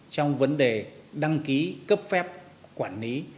trong vấn đề đăng ký cấp phép quản lý